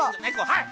はい！